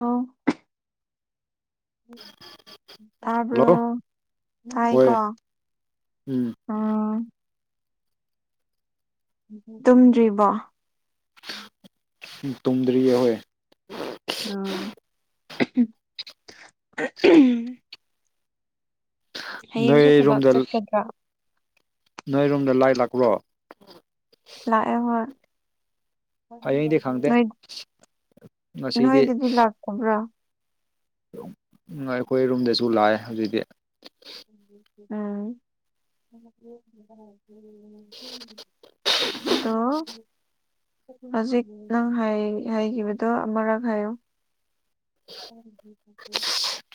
ꯑꯥꯎ ꯇꯔꯕꯔꯣ ꯍꯜꯂꯣ ꯍꯣꯏ ꯇꯥꯏꯀꯣ ꯎꯝ ꯎꯝ ꯇꯨꯝꯗ꯭ꯔꯤꯕꯣ ꯇꯨꯝꯗ꯭ꯔꯤꯌꯦ ꯍꯣꯏ ꯑꯣ [unintelligible] ꯍꯌꯦꯡꯁꯨ ꯊꯕꯛ ꯅꯣꯏꯔꯣꯝꯗ ꯆꯠꯀꯗ꯭ꯔꯥ ꯅꯣꯏꯔꯣꯝꯗ ꯂꯥꯏ ꯂꯥꯛꯄ꯭ꯔꯣ ꯂꯥꯛ ꯑꯦ ꯍ ꯍꯌꯦꯡꯗꯤ ꯈꯪꯗꯦ ꯅꯣꯏ ꯉꯁꯤꯗꯤ ꯅꯣꯏꯗꯗꯤ ꯂꯥꯛꯇꯕ꯭ꯔꯥ ꯑꯩꯈꯣꯏ ꯔꯨꯝꯗꯁꯨ ꯂꯥꯛꯑꯦ ꯍꯧꯖꯤꯛꯇꯤ ꯎꯝ ꯗꯣ ꯍꯧꯖꯤꯛ ꯅꯪ ꯍꯥꯏ ꯍꯥꯏꯈꯤꯕꯗꯣ ꯑꯃꯨꯔꯛ ꯍꯥꯏꯌꯨ ꯎꯝ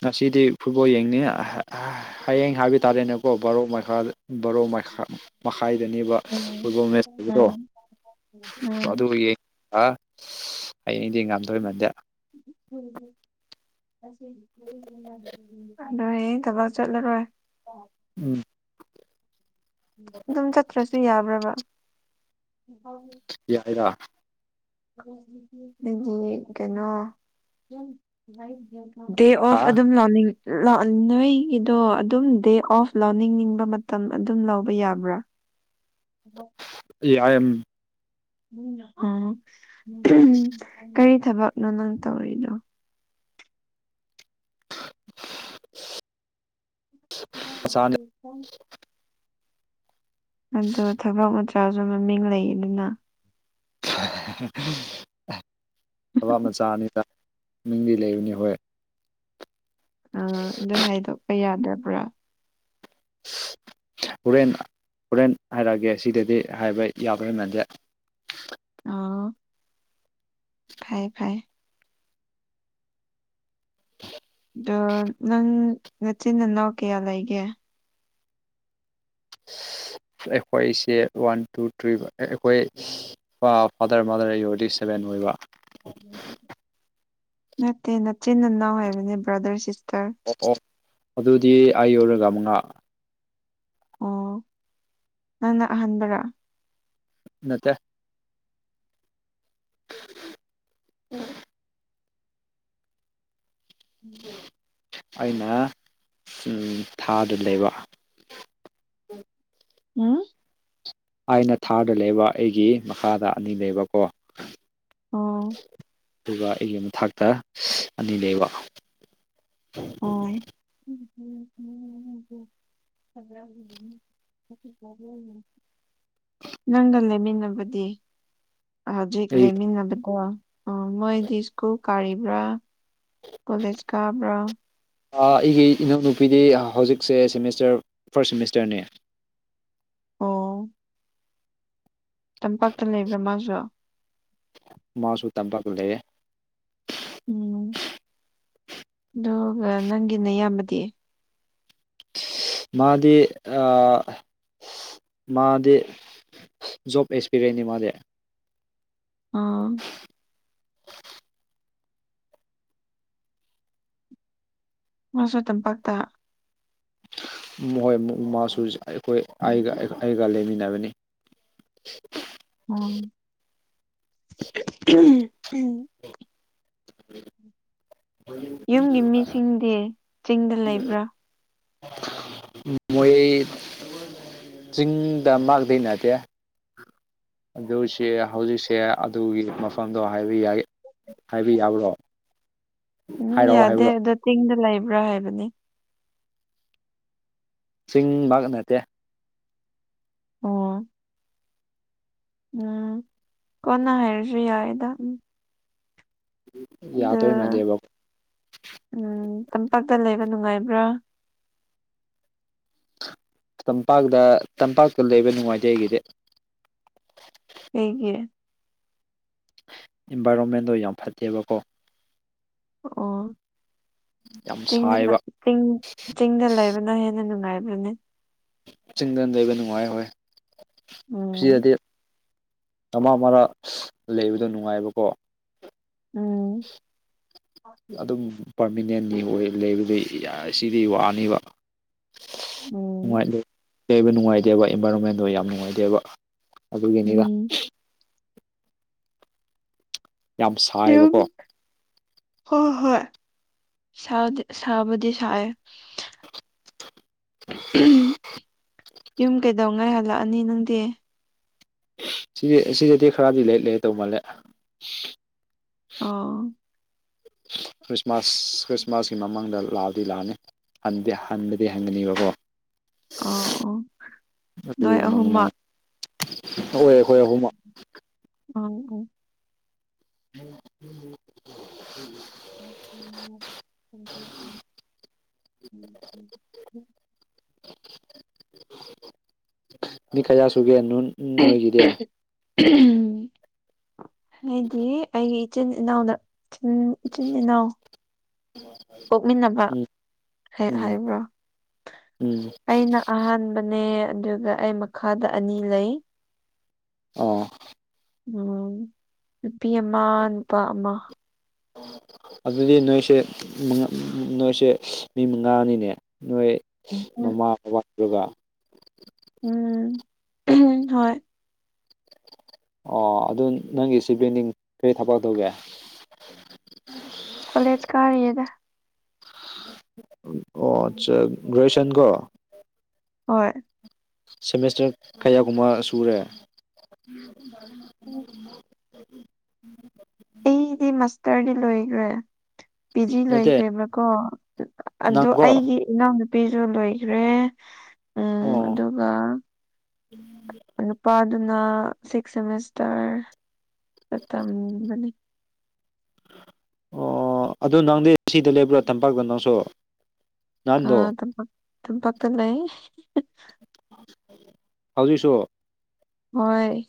ꯉꯁꯤꯗꯤ ꯐꯨꯠꯕꯣꯜ ꯌꯦꯡꯅꯤ ꯍ ꯍꯌꯦꯡ ꯍꯥꯏꯕ ꯇꯥꯔꯦꯅꯦꯀꯣ ꯕꯥꯔꯣꯛ ꯃꯈꯥꯗ ꯕꯥꯔꯣ ꯃꯈꯥꯏꯗꯅꯦꯕ ꯎꯝ ꯐꯨꯠꯕꯣꯜ ꯃꯦꯠꯆ ꯍꯥꯏꯕꯗꯣ ꯎꯝ ꯎꯝ ꯑꯗꯨꯒꯤ ꯌꯦꯡꯉ ꯍꯌꯦꯡꯗꯤ ꯉꯥꯝꯗꯣꯏꯃꯥꯟꯗꯦ [unintelligible] ꯑꯗꯣ ꯍꯌꯦꯡ ꯊꯕꯛ ꯆꯠꯂꯔꯣꯏ ꯎꯝ ꯑꯗꯨꯝ ꯆꯠꯇ꯭ꯔꯁꯨ ꯌꯥꯕ꯭ꯔꯕ ꯌꯥꯏꯗ ꯑꯗꯨ ꯀꯩꯅꯣ ꯗꯦ ꯑ ꯑꯣꯐ ꯑꯗꯨꯝ ꯂꯣꯅꯤꯡ ꯅꯣꯏꯒꯤꯗꯣ ꯑꯗꯨꯝ ꯗꯦ ꯑꯣꯐ ꯂꯧꯅꯤꯡꯅꯤꯡꯕ ꯃꯇꯝ ꯑꯗꯨꯝ ꯂꯧꯕ ꯌꯥꯕ꯭ꯔꯥ [unintelligible] ꯑꯣ ꯀꯔꯤ ꯊꯕꯛꯅꯣ ꯅꯪ ꯇꯧꯔꯤꯗꯣ ꯃꯆꯥꯅꯤꯕ [unintelligible] ꯑꯗ ꯊꯕꯛ ꯃꯆꯥꯁꯨ ꯃꯃꯤꯡ ꯂꯩꯌꯦꯗꯅ [unintelligible] ꯊꯕ ꯃꯆꯥꯅꯤꯅꯃꯤꯡꯗꯤ ꯂꯩꯕꯅꯤ ꯍꯣꯏ ꯑ ꯑꯗꯨ ꯍꯥꯏꯗꯣꯛꯄ ꯌꯥꯗꯕ꯭ꯔꯥ ꯍꯣꯔꯦꯟ ꯍꯣꯔꯦꯟ ꯍꯥꯏꯔꯛꯑꯒꯦ ꯁꯤꯗꯗꯤ ꯍꯥꯏꯕ ꯌꯥꯕ꯭ꯔꯦ ꯃꯥꯟꯗꯦ ꯑ ꯐꯩ ꯐꯩ ꯑꯗꯣ ꯅꯪ ꯅꯆꯤꯟ ꯅꯅꯥꯎ ꯀꯌꯥ ꯂꯩꯒꯦ ꯑꯩꯈꯣꯏꯁꯦ ꯋꯥꯟ ꯇꯨ ꯊ꯭ꯔꯤ ꯑꯩꯈꯣꯏ ꯐꯥꯗꯔ ꯃꯥꯗꯔ ꯑꯩ ꯑꯣꯏꯔꯗꯤ ꯁꯕꯦꯟ ꯑꯣꯏꯕ ꯅꯠꯇꯦ ꯅꯆꯤꯟ ꯅꯅꯥꯎ ꯍꯥꯏꯕꯅꯦ ꯕ꯭ꯔꯗꯔ ꯁꯤꯁꯇꯔ ꯑꯣ ꯑꯣ ꯑꯗꯨꯗꯤ ꯑꯩ ꯌꯥꯎꯔꯒ ꯃꯉꯥ ꯑꯣ ꯅꯪꯅ ꯑꯍꯥꯟꯕꯔꯥ ꯅꯠꯇꯦ [unintelligible] ꯎꯝ ꯑꯩꯅ ꯊꯥꯗꯨ ꯂꯩꯕ ꯎꯝ ꯑꯥꯏꯅ ꯊꯥꯗ ꯂꯩꯕ ꯑꯩꯒꯤ ꯃꯈꯥꯗ ꯑꯅꯤ ꯂꯩꯕꯀꯣ ꯑꯣ ꯑꯗꯨꯒ ꯑꯩꯒꯤ ꯃ ꯊꯥꯛꯇ ꯑꯅꯤ ꯂꯩꯕ ꯑꯣ ꯅꯪꯒ ꯂꯩꯃꯤꯟꯅꯕꯗꯤ ꯍꯧꯖꯤꯛ ꯑꯩ ꯂꯩꯃꯤꯟꯅꯕꯀꯣ ꯃꯣꯏꯗꯤ ꯏꯁꯀꯨꯜ ꯀꯥꯔꯤꯕ꯭ꯔꯥ ꯀꯣꯂꯦꯖ ꯀꯕ꯭ꯔꯥ ꯑꯩꯒꯤ ꯏꯅꯧꯅꯨꯄꯤꯗꯤ ꯍꯧꯖꯤꯛꯁꯦ ꯁꯦꯃꯤꯁꯇꯔ ꯐꯥꯔꯁ ꯁꯦꯃꯤꯁꯇꯔꯅꯦ ꯑꯣ ꯇꯝꯄꯥꯛꯇ ꯂꯩꯕ꯭ꯔꯥ ꯃꯥꯁꯨ ꯃꯥꯁꯨ ꯇꯝꯄꯛꯇ ꯂꯩꯌꯦ ꯎꯝ ꯑꯗꯨꯒ ꯅꯪꯒꯤꯅ ꯅꯌꯥꯝꯕꯗꯤ ꯃꯥꯗꯤ ꯑ ꯃꯥꯗꯤ ꯖꯣꯕ ꯑꯦꯛꯁꯄꯤꯔꯤꯌꯦꯟ ꯅꯤ ꯃꯥꯗꯤ ꯑ ꯅꯪꯁꯨ ꯇꯝꯄꯥꯛꯇ ꯃꯣꯏ ꯃꯥꯁꯨ ꯑꯩꯈꯣꯏ ꯑꯩꯒ ꯑꯩꯒ ꯂꯩꯃꯤꯟꯅꯕꯅꯤ ꯎꯪ [unintelligible] [inaudible] ꯌꯨꯝꯒꯤ ꯃꯤꯁꯤꯡꯗꯤ ꯆꯤꯡꯗ ꯂꯩꯕ꯭ꯔꯥ ꯃꯣꯏ ꯆꯤꯡꯗ ꯃꯥꯛꯗꯩꯩꯅꯇꯦ ꯑꯗꯨꯁ ꯍꯧꯖꯤꯛꯁꯦ ꯑꯗꯨꯒꯤ ꯃꯐꯝꯗꯣ ꯍꯥꯏꯕ ꯌꯥꯏ ꯍꯥꯏꯕ ꯌꯥꯎ꯭ꯔꯣ ꯎꯝ ꯍꯥꯏꯔꯛꯑꯣ ꯌꯥꯗꯦ ꯍꯥꯏꯕ꯭ꯔꯣꯑꯣ ꯑꯗꯣ ꯆꯤꯡꯗ ꯂꯩꯕ꯭ꯔꯥ ꯍꯥꯏꯕꯅꯤ ꯆꯤꯡ ꯃꯥ ꯅꯠꯇꯦ ꯑꯣꯝ ꯎꯝ ꯀꯅꯥ ꯍꯥꯏ꯭ꯔꯤꯌꯥꯗ ꯑ ꯌꯥꯗꯣꯏ ꯃꯥꯟꯗꯦꯕ ꯇꯝꯄꯥꯛꯇ ꯂꯩꯕ ꯅꯨꯡꯉꯥꯏꯕ꯭ꯔꯥ ꯇꯝꯄꯥꯛꯇ ꯇꯝꯄꯥꯛꯇ ꯂꯩꯕ ꯅꯨꯡꯉꯥꯏꯇꯦ ꯑꯩꯒꯤꯗꯤ ꯑꯩꯒꯤ ꯏꯟꯚꯥꯏꯔꯣꯟꯃꯦꯟꯗꯣ ꯌꯥꯝ ꯐꯠꯇꯦꯕꯀꯣ ꯑꯣ ꯌꯥꯝ ꯆꯤꯡꯅ ꯁꯥꯏꯕ ꯆꯤꯡ ꯆꯤꯡꯗ ꯂꯩꯕꯅꯣ ꯍꯦꯟꯅ ꯅꯨꯡꯉꯥꯏꯕ꯭ꯔꯅꯦ ꯆꯤꯡꯗ ꯂꯩꯕ ꯅꯨꯡꯉꯥꯏꯍꯣꯏ ꯎꯝ ꯁꯤꯗꯗꯤ ꯃꯔꯛ ꯃꯔꯛ ꯂꯩꯕꯗꯣ ꯅꯨꯡꯉꯥꯏꯕꯀꯣ ꯎꯝ ꯑꯗꯨꯝ ꯄꯥꯔꯃꯤꯅꯦꯟꯅꯤ ꯑꯣꯏ ꯂꯩꯕꯗꯨ ꯁꯤꯗꯤ ꯋꯥꯅꯤꯕ ꯅꯨꯡ ꯎꯝ ꯂꯩꯕ ꯅꯨꯡꯉꯥꯏꯇꯦꯕ ꯏꯟꯚꯥꯏꯔꯣꯟꯃꯦꯟꯗꯣ ꯌꯥꯝ ꯅꯨꯡꯉꯥꯏꯇꯦꯕ ꯑꯗꯨꯒꯤꯅꯤꯗ ꯎꯝ ꯌꯥꯝ ꯌꯨꯝ ꯁꯥꯏꯌꯦꯕꯀꯣ ꯍꯣꯏ ꯍꯣꯏ ꯍꯣꯏ ꯁꯥꯕꯨꯗꯤ ꯁꯥꯏꯑꯦ ꯌꯨꯝ ꯀꯩꯗꯧꯉꯩ ꯍꯜꯂꯛꯑꯅꯤ ꯅꯪꯗꯤ ꯁꯤꯗꯤ ꯁꯤꯗꯗꯤ ꯈꯔꯗꯤ ꯂꯩꯔꯤ ꯂꯩꯔꯦ ꯇꯧ ꯃꯥꯜꯂꯦ ꯑꯣ ꯈ꯭ꯔꯤꯁꯃꯥꯁ ꯈ꯭ꯔꯤꯁꯃꯥꯁꯀꯤ ꯃꯃꯥꯡꯗ ꯂꯥꯛꯑꯗꯤ ꯂꯥꯛꯑꯅꯤ ꯗꯤ ꯍꯟꯕꯗꯤ ꯍꯪꯒꯅꯤꯕꯀꯣ ꯑꯣ ꯑꯣ ꯑꯗꯨ ꯅꯣꯏ ꯃꯃꯥꯡ ꯑꯍꯨꯝꯃꯛ ꯍꯣꯏ ꯑꯩꯈꯣꯏ ꯎꯝ ꯑꯍꯨꯝ ꯎꯝ [unintelligible] [inaudible] ꯃꯤ ꯀꯌꯥ ꯁꯨꯒꯦ ꯅ ꯅꯣꯏꯒꯤꯗꯤ ꯎꯝ ꯍꯥꯏꯗꯤ ꯑꯩꯒꯤ ꯏꯆꯤꯟ ꯏꯅꯥꯎꯅ ꯏꯆꯤꯟ ꯏꯅꯥꯎ ꯀꯣꯛꯃꯤꯟꯅꯕ ꯎꯝ ꯍꯦꯛ ꯎꯝ ꯍꯥꯏꯕ꯭ꯔꯣ ꯎꯝ ꯑꯩꯅ ꯑꯍꯥꯟꯕꯅꯦ ꯑꯗꯨꯒ ꯑꯩ ꯃꯈꯥꯗ ꯑꯅꯤ ꯂꯩ ꯑꯣ ꯎꯝ ꯅꯨꯄꯤ ꯑꯃ ꯅꯨꯄꯥ ꯑꯃ ꯑꯗꯨꯗꯤ ꯅꯣꯏꯁꯦ ꯅꯣꯏꯁꯦ ꯃꯤ ꯃꯉꯥꯅꯤꯅꯦ ꯅꯣꯏ ꯎꯝ ꯃꯃꯥ ꯕꯕꯥ ꯑꯗꯨꯒ ꯎꯝ ꯍꯣꯏ ꯑꯣ ꯑꯗꯨ ꯅꯪꯒꯤꯁꯤ ꯕꯦꯟꯗꯤꯡ ꯀꯩ ꯊꯕꯛ ꯇꯧꯒꯦ ꯀꯂꯦꯖ ꯀꯥꯔꯔꯤꯦꯗ ꯑꯣ ꯑꯠꯆꯥ ꯒ꯭ꯔꯦꯖꯨꯌꯦꯁꯟ ꯀꯣ ꯍꯣꯏ ꯁꯦꯃꯦꯁꯇꯔ ꯀꯌꯥꯒꯨꯝꯕ ꯁꯨꯔꯦ ꯎꯝ ꯑꯩꯗꯤ ꯃꯥꯁꯇꯔꯗꯤ ꯂꯣꯏꯈ꯭ꯔꯦ ꯄꯤ ꯖꯤ ꯅꯠꯇꯦ ꯂꯣꯏꯈ꯭ꯔꯦꯕ꯭ꯔꯥꯀꯣ ꯑꯗꯣ ꯅꯪꯀꯣ ꯑꯩꯒꯤ ꯏꯅꯥꯎ ꯅꯨꯨꯄꯤꯁꯨ ꯂꯣꯏꯈ꯭ꯔꯦ ꯎꯝ ꯑꯣ ꯑꯗꯨꯒ ꯅꯨꯄꯥꯗꯨꯅ ꯁꯤꯛꯁ ꯁꯦꯃꯤꯁꯇꯔ ꯇꯝꯒꯅꯤ ꯑꯣ ꯑꯗꯨ ꯅꯪꯗꯤ ꯁꯤꯗ ꯂꯩꯕ꯭ꯔꯣ ꯇꯝꯄꯥꯛꯇ ꯅꯪꯁꯨ ꯑ ꯅꯍꯥꯟꯗꯣ ꯇꯝꯄ ꯇꯝꯄꯥꯛꯇ ꯂꯩ ꯍꯧꯖꯤꯛꯁꯨ ꯍꯣꯏ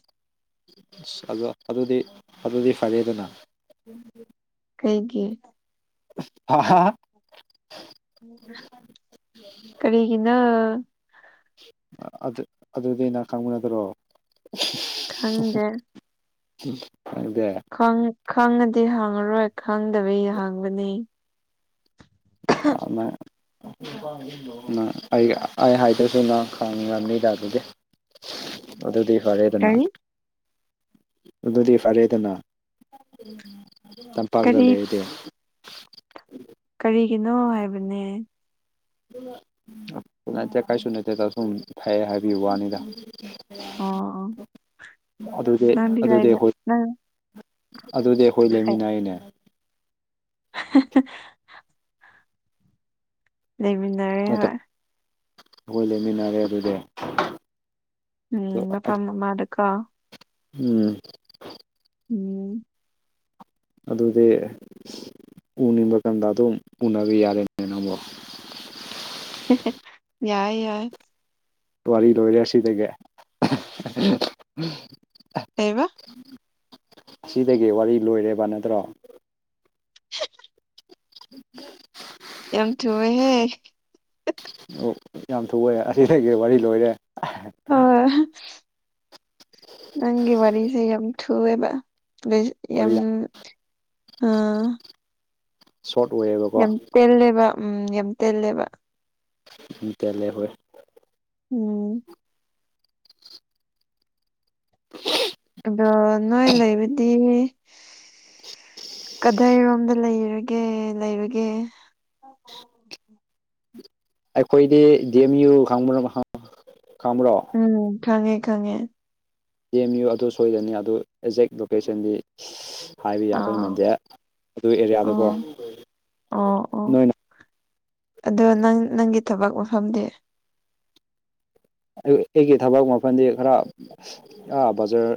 ꯑ ꯑꯗꯣ ꯑꯗꯨꯗꯤ ꯑꯗꯨꯗꯤ ꯐꯔꯦꯗꯅ ꯎꯝ ꯀꯩꯒꯤ ꯍ ꯍ ꯀꯔꯤꯒꯤꯅ ꯑꯗꯨ ꯑꯗꯨꯗꯤ ꯅꯍ ꯈꯪꯃꯤꯟꯅꯗ꯭ꯔꯣ ꯈꯪꯗꯦ ꯑꯗꯨꯗꯦ ꯈꯪꯉꯗꯤ ꯍꯥꯡꯉꯔꯣꯏ ꯈꯪꯗꯕꯩ ꯍꯥꯡꯕꯅꯤ ꯑꯗꯨ ꯪ ꯑꯩ ꯑꯩ ꯍꯥꯏꯗꯁꯤꯅꯣ ꯈꯪꯅꯤꯡꯉꯝꯅꯤꯗ ꯑꯗꯨꯗꯤ ꯑꯗꯨꯗꯤ ꯍꯔꯦ ꯑꯗꯨꯅ ꯀꯔꯤ ꯑꯗꯨꯗꯤ ꯐꯔꯦꯗꯅ ꯇꯝꯄꯥꯛꯇ ꯀꯔꯤ ꯂꯩ ꯑꯩꯗꯤ ꯀꯔꯤꯒꯤꯅꯣ ꯍꯥꯏꯕꯅꯦ ꯅꯠꯇꯦ ꯀꯥꯏꯁꯨ ꯅꯠꯇꯦ ꯁꯨꯝ ꯐꯑ ꯍꯥꯏꯕꯤꯌꯨ ꯋꯥꯅꯤꯗ ꯑꯣ ꯑꯣ ꯑꯗꯨꯗꯤ ꯅꯪꯗꯤ ꯑꯗꯨꯗꯤ ꯂꯩꯕ ꯑꯩꯈꯣꯏ ꯅꯪ ꯑꯗꯨꯗꯤ ꯑꯩꯈꯣꯏ ꯂꯩꯃꯤꯟꯅꯩꯅꯦ [inaudible] ꯂꯩꯃꯤꯟꯅꯔꯦ ꯅꯠꯇ꯭ꯔ ꯍꯣꯏ ꯑꯩꯈꯣꯏ ꯂꯩꯃꯤꯟꯅꯔꯦ ꯑꯗꯨꯗꯤ ꯎꯝ ꯃꯄꯥꯝ ꯃꯥꯗꯀꯣ ꯎꯝ ꯎꯝ ꯑꯗꯨꯗꯤ ꯎꯅꯤꯡꯕ ꯀꯥꯟꯗ ꯑꯗꯨꯝ ꯎꯅꯕ ꯌꯥꯔꯦꯅꯦ ꯅꯪꯕꯨꯣ ꯌꯥꯏ ꯌꯥꯏ ꯋꯥꯔꯤ ꯂꯣꯏꯔꯦ ꯁꯤꯗꯒꯤ ꯑꯦ ꯑꯁꯤꯗꯒꯤ ꯋꯥꯔꯤ ꯂꯣꯏꯔꯦꯕ ꯅꯠꯇ꯭ꯔꯣ [inaudible] ꯎꯝ ꯌꯥꯝꯝ ꯊꯨꯑꯦꯍꯦ ꯌꯥꯝ ꯊꯨꯢꯌꯦ ꯑꯁꯤꯗꯒꯤ ꯋꯥꯔꯤ ꯂꯣꯏꯔꯦ ꯑꯣꯍꯥ ꯅꯪꯒꯤ ꯋꯥꯔꯤꯁꯦ ꯌꯥꯝ ꯊꯨꯑꯦꯕ ꯑ ꯌꯥꯝ ꯑ ꯁꯣꯔꯠ ꯋꯦꯕꯀꯣ ꯇꯦꯜꯂꯦꯕ ꯎꯝ ꯌꯥꯝ ꯇꯦꯜꯂꯦꯕ ꯎꯝ ꯇꯦꯂꯦ ꯍꯣꯢ ꯎꯝ ꯎꯝ ꯑꯗꯣ ꯅꯣꯏ ꯂꯩꯕꯗꯤ ꯀꯗꯥꯏꯔꯣꯝꯗ ꯂꯩꯔꯒꯦ ꯀꯦ ꯂꯩꯕꯒꯦ ꯑꯩꯈꯣꯏꯗꯤ ꯗꯤ ꯑꯦꯝ ꯌꯨ ꯈꯪꯕ꯭ꯔꯣ ꯈꯪꯕ꯭ꯔꯣ ꯎꯝ ꯈꯪꯉꯦ ꯈꯪꯉꯦ ꯑꯦꯝ ꯌꯨ ꯑꯗꯨ ꯁꯣꯏꯗꯅꯤ ꯑꯗꯨ ꯑꯦꯛꯖꯦꯛ ꯂꯣꯀꯦꯁꯟꯗꯤ ꯍꯥꯏꯕ ꯌꯥꯗꯣꯏ ꯑꯥ ꯃꯗꯤꯦ ꯑꯗꯨ ꯑꯦꯔꯤꯌꯥꯗꯀꯣ ꯑꯣ ꯑꯣ ꯑꯣ ꯅꯣꯏ ꯑꯗꯣ ꯅꯪ ꯅꯪꯒꯤ ꯊꯕꯛ ꯃꯐꯝꯗꯤ ꯑꯩꯒꯤ ꯊꯕꯛ ꯃꯜꯗꯤ ꯈꯔ ꯕꯖꯥꯔ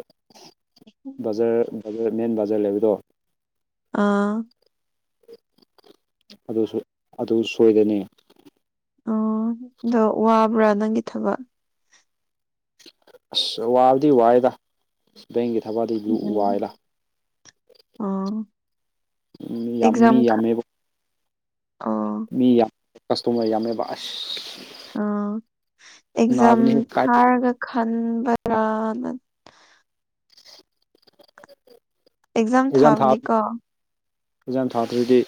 ꯕꯖꯔ ꯕꯖꯔ ꯃꯦꯟ ꯕꯥꯖꯥꯔ ꯂꯩꯕꯗꯣ ꯑꯥ ꯑꯗꯨ ꯑꯗꯨ ꯁꯣꯏꯕꯅꯦ ꯑꯣ ꯑꯗꯣ ꯋꯥꯕ꯭ꯔꯥ ꯅꯪꯒꯤ ꯊꯕꯛ ꯑꯁ ꯋꯥꯕꯗꯤ ꯋꯥꯏꯗ ꯕꯦꯡꯒꯤ ꯊꯕꯋꯥꯗꯤ ꯑꯝ ꯑꯥ ꯃꯤ ꯌꯥꯝ ꯑꯦꯛꯖꯝ ꯃꯤ ꯌꯥꯝꯃꯦꯕ ꯑ ꯃꯤ ꯌꯥꯝ ꯀꯁꯇꯃꯔ ꯌꯥꯝꯃꯦꯕ ꯑꯁ ꯑꯥ ꯑꯦꯛꯖꯥꯝ ꯅꯥꯕꯅꯤ ꯀꯥꯏ ꯊꯥꯔꯒ ꯈꯟꯕ꯭ꯔꯅ ꯑꯦꯛꯖꯥꯝ ꯊꯥ ꯑꯦꯛꯖꯥꯝ ꯊꯥꯗ꯭ꯔꯗꯤ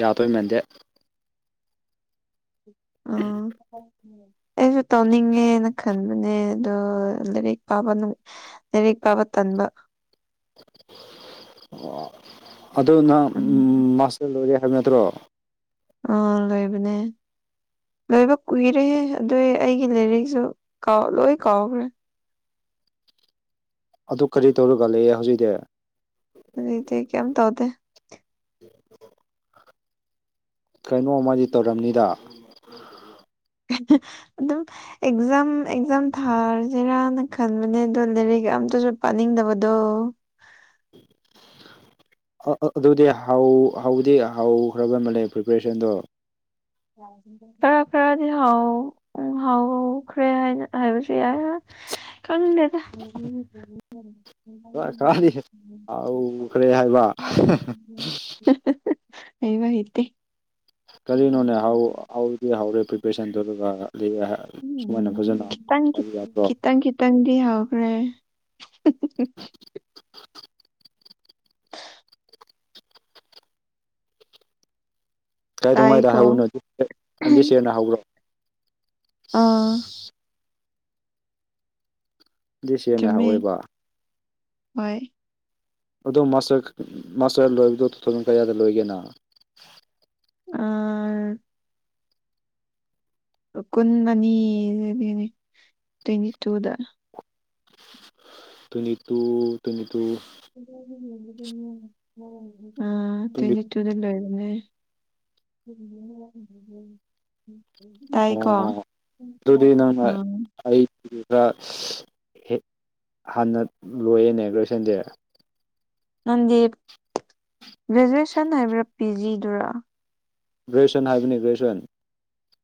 ꯌꯥꯗꯣꯏ ꯃꯥꯟꯗꯦ ꯎ ꯑꯩꯁꯨ ꯇꯧꯅꯤꯡꯉꯦꯅ ꯈꯟꯗꯦ ꯅꯦ ꯑꯗꯣ ꯂꯥꯏꯔꯤꯛ ꯄꯥꯕ ꯅꯨꯡꯂꯥꯏꯔꯤꯛ ꯄꯥꯕ ꯇꯟꯕ ꯑꯣ ꯑꯗꯨ ꯅꯪ ꯎꯝ ꯃꯥꯁꯇꯔ ꯂꯣꯢꯔꯦ ꯍꯥꯏꯕ ꯅꯠꯇ꯭ꯔꯣ ꯑ ꯂꯣꯏꯕꯅꯦ ꯂꯣꯏꯕ ꯀꯨꯏꯔꯦ ꯍꯦ ꯑꯗꯨ ꯑꯩꯒꯤ ꯂꯥꯏꯔꯤꯛꯁꯨ ꯀꯥꯎ ꯂꯣꯏ ꯀꯥꯎꯈ꯭ꯔꯦ ꯑꯗꯨ ꯀꯔꯤ ꯇꯧꯔꯒ ꯂꯩꯌꯦ ꯍꯧꯖꯤꯛꯗꯤ ꯍꯧꯖꯤꯛꯇꯤ ꯀꯩꯝ ꯇꯧꯗꯦ ꯀꯩꯅꯣꯝꯃꯗꯤ ꯇꯧꯔꯝꯅꯤꯗ ꯑꯗꯨꯝ ꯑꯦꯛꯖꯥꯝ ꯑꯦꯛꯖꯥꯝ ꯊꯥꯔꯁꯤꯔꯅ ꯈꯟꯕꯅꯦ ꯑꯗꯣ ꯂꯥꯏꯔꯤꯛ ꯑꯝꯇꯁꯨ ꯄꯥꯅꯤꯡꯗꯕꯗꯣ ꯑ ꯑꯗꯨꯗꯤ ꯍꯧꯗꯤ ꯍꯧꯈ꯭ꯔꯕ ꯃꯥꯜꯂꯦ ꯄ꯭ꯔꯤꯄꯦꯔꯦꯁꯟꯗꯣ ꯈꯔꯥ ꯈꯔꯥꯗꯤꯍꯥꯎ ꯎꯝ ꯍꯥꯎꯈ꯭ꯔꯦ ꯍꯥꯏꯅ ꯍꯥꯏꯕꯁꯨ ꯌꯥꯏ ꯈꯪꯗꯦꯗ [unintelligible] ꯍꯥꯍꯥꯍꯥ ꯈꯔꯗꯤ ꯍꯧꯈ꯭ꯔꯦ ꯍꯥꯏꯕ ꯍꯩꯕꯔꯥ ꯍꯩꯇꯦ ꯀꯔꯤꯅꯣꯅꯦ ꯍꯥꯎꯗꯤ ꯍꯧꯥꯎꯔꯦ ꯄ꯭ꯔꯤꯄꯦꯔꯦꯁꯟꯗꯨꯗꯨꯒ ꯁꯨꯃꯥꯏꯅ ꯐꯖꯅ ꯈꯪꯗꯦ ꯍꯥꯏꯕ ꯈꯤꯇꯪ ꯌꯥꯗ꯭ꯔꯣ ꯈꯤꯇꯪ ꯈꯤꯇꯪꯗꯤ ꯍꯧꯈ꯭ꯔꯦ ꯀꯥꯏꯗꯧꯉꯥꯏꯗ ꯇꯥꯏꯀꯣ ꯍꯧꯕꯅꯣ ꯍꯟꯗꯤ ꯁꯔꯅ ꯍꯧꯕ꯭ꯔꯣ ꯑꯥ ꯗꯤꯁ ꯌꯔꯅ ꯆꯩꯝꯃꯦ ꯍꯧꯋꯦꯕ ꯍꯣꯢ ꯑꯗꯣ ꯃꯥꯁꯇꯔ ꯃꯥꯁꯇꯔ ꯂꯣꯏꯕꯗꯣ ꯇꯨ ꯊꯥꯎꯖꯟ ꯀꯌꯥꯗ ꯂꯣꯏꯒꯦꯅ ꯑ ꯀꯨꯟ ꯑꯅꯤꯗꯒꯤꯅꯦ ꯇ꯭ꯋꯦꯟꯇꯤ ꯇꯨꯗ ꯇ꯭ꯋꯦꯟꯇꯤ ꯇꯨ ꯇ꯭ꯋꯦꯟꯇꯤ ꯇꯨ ꯑ ꯇ꯭ꯋꯦꯟꯇꯤ ꯀꯆꯨꯗ ꯂꯅꯦ ꯇꯏꯀꯣ ꯑꯣ ꯎꯝ ꯑꯩ ꯈꯔ ꯍꯥꯟꯅ ꯂꯣꯏꯌꯦꯦꯅꯦ ꯒ꯭ꯔꯦꯖꯨꯌꯦꯁꯟꯗꯦ ꯅꯪꯗꯤ ꯒ꯭ꯔꯦꯖꯨꯑꯦꯁꯟ ꯍꯥꯏꯕ꯭ꯔꯥ ꯄꯤ ꯖꯤꯗꯨꯔ ꯭ꯔꯦꯖꯨꯁꯟ ꯍꯥꯏꯕꯅꯤ ꯒꯦꯖꯨꯋꯟ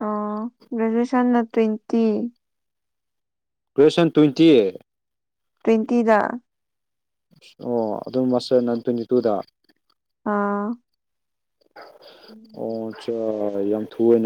ꯑꯣ ꯒ꯭ꯔꯦꯖꯨꯌꯦꯦꯁꯟꯅ ꯇ꯭ꯋꯦꯟꯇꯤ ꯀ꯭ꯋꯁꯟ ꯇ꯭ꯋꯦꯟꯇꯤ ꯑꯦꯠ ꯇ꯭ꯋꯦꯟꯇꯤꯗ ꯑꯣ ꯑꯗꯨꯝ ꯃꯥꯁꯇꯔ ꯅ ꯑꯗꯨꯝ ꯇ꯭ꯋꯦꯟꯇꯤ ꯇꯨꯗ ꯑꯥ ꯑꯣꯆꯥ ꯌꯥꯝ ꯊꯨꯍ